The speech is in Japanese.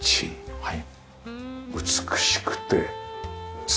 はい。